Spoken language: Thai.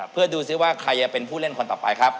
เพื่อดูสิว่าใครจะเป็นผู้เล่นคนต่อไปครับ